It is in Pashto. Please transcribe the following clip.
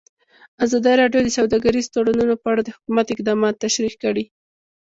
ازادي راډیو د سوداګریز تړونونه په اړه د حکومت اقدامات تشریح کړي.